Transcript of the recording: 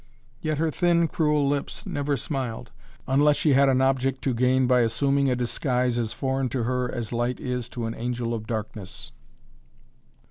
Yet her thin, cruel lips never smiled, unless she had an object to gain by assuming a disguise as foreign to her as light is to an angel of darkness.